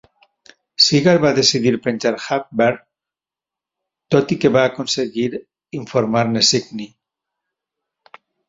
Sigar va decidir penjar Hagbard, tot i que va aconseguir informar-ne Signy.